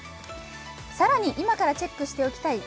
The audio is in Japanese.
さらに今からチェックしておきたい